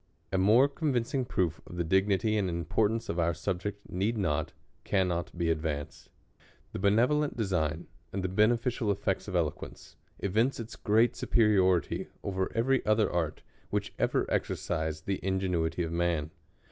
A more convincing proof of the dignity and importance of our subject need not, cannot be advanced. The benevolent design and the beneficial effects of eloquence, evince its great superiority over every other ■Avt, which ever exercised the ingenuity of man.